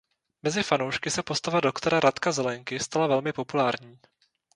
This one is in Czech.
Mezi fanoušky se postava doktora Radka Zelenky stala velmi populární.